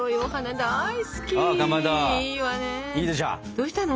どうしたの？